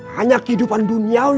hanya kehidupan duniawi